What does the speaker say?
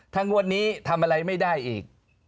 ถ้างวดนี้ทำอะไรไม่ได้อีก